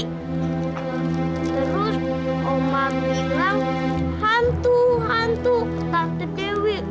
terus oma bilang hantu hantu tante dewi